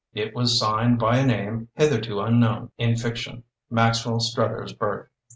It was signed by a name hitherto unknown in fiction — Maxwell Struthers Burt.